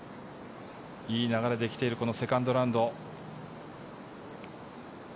いい流れで来ているこのセカンドラウンド。